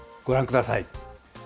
ご覧ください。